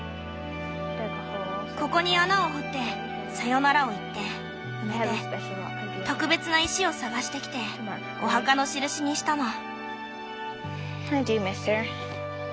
ここに穴を掘ってさよならを言って埋めて特別な石を探してきてお墓の印にしたの。